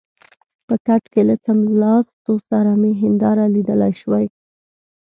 په کټ کې له څملاستو سره مې هنداره لیدلای شوای.